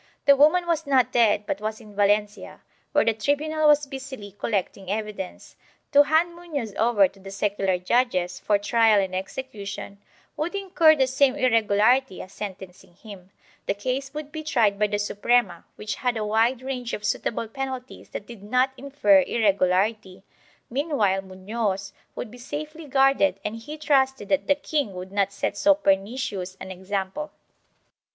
The woman was not dead but was in Valencia, where the tribunal was busily collecting evidence; to hand Munoz over to the secular judges for trial and execution would incur the same irregularity as sentencing him; the case would be tried by the Suprema, which had a wide range of suitable penalties that did not infer irregularity; meanwhile Munoz would be safely guarded and he trusted that the king would not set so pernicious an example.